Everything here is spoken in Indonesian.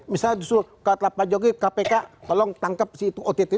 misalnya disuruh pak jokowi kpk tolong tangkap si ott